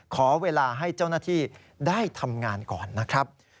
ขอเวลาให้เจ้าหน้าที่ได้ทำงานก่อนนะครับ